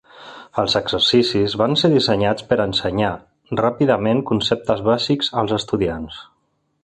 Els exercicis van ser dissenyats per ensenyar ràpidament conceptes bàsics als estudiants.